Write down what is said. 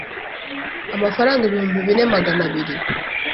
amafaranga ibihumbi bine Magana abiri